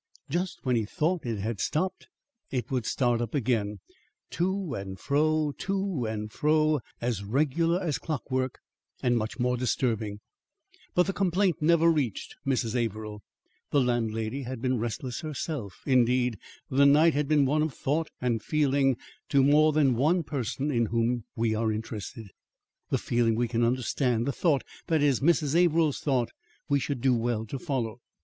Just when he thought it had stopped, it would start up again, to and fro, to and fro, as regular as clockwork and much more disturbing. But the complaint never reached Mrs. Averill. The landlady had been restless herself. Indeed, the night had been one of thought and feeling to more than one person in whom we are interested. The feeling we can understand; the thought that is, Mrs. Averill's thought we should do well to follow.